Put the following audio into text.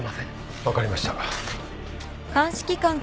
分かりました。